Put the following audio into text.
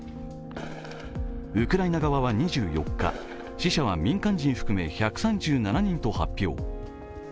ウクライナ側は２４日、死者は民間人含め１３７人と発表。